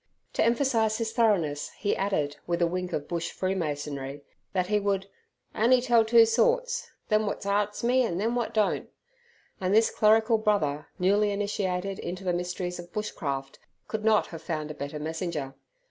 To emphasize his thoroughness, he added, with a wink of bush freemasonry, that he would "on'y tell two sorts them wot arsts me, an' them wot don't." And this clerical brother, newly initiated into the mysteries of bush craft, could not have found a better messenger.